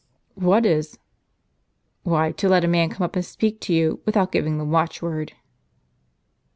w "What is?" " Why, to let a man come up and speak to you, without giving the watchword."